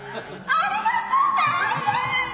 ありがとう先生！